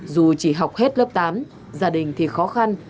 dù chỉ học hết lớp tám gia đình thì khó khăn